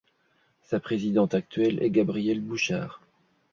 Sa présidente actuelle est Gabrielle Bouchard.